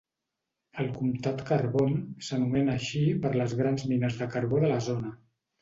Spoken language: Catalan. El comtat Carbon s'anomena així per les grans mines de carbó de la zona.